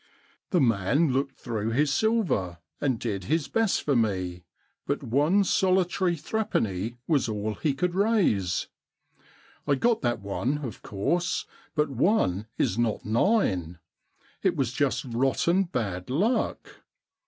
The man looked through his silver and did his best for me, but one solitary threepenny was all he could raise. I got that one, of course, but one is not nine. It was just rotten bad luck.